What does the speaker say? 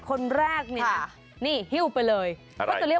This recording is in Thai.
คนแรกเนี่ยนี่ฮิ้วไปเลย